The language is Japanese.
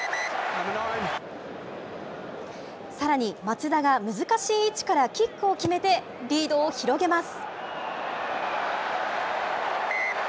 さらに松田が難しい位置からキックを決めて、リードを広げます。